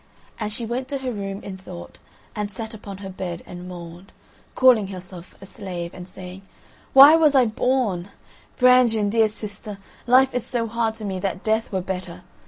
And she went to her room in thought and sat upon her bed and mourned, calling herself a slave and saying: "Why was I born? Brangien, dear sister, life is so hard to me that death were better!